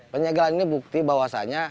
penyegelan ini bukti bahwasannya